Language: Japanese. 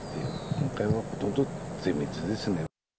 今回はほとんど全滅ですね。